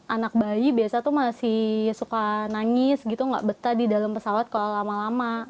anak bayi biasanya tuh masih suka nangis gitu nggak betah di dalam pesawat kalau lama lama